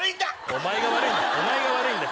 お前が悪いんだお前が悪いんだ